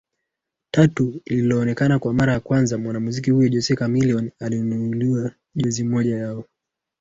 tatu lilonekana kwa mara ya kwanza Mwanamuziki huyo Jose Chameleone alinunua jozi moja ya